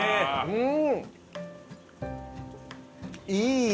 うん！